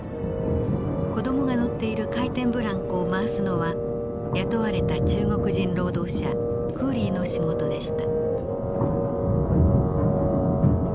子どもが乗っている回転ブランコを回すのは雇われた中国人労働者クーリーの仕事でした。